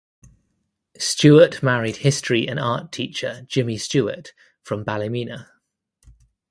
Stewart married history and art teacher Jimmy Stewart from Ballymena.